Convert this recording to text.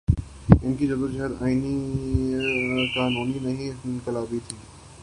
ان کی جد وجہد آئینی یا قانونی نہیں، انقلابی تھی۔